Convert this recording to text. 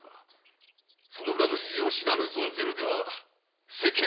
その裏の事情を知らぬ存ぜぬでは世間は納得しませぬぞ。